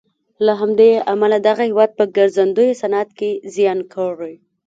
له همدې امله دغه هېواد په ګرځندوی صنعت کې زیان کړی.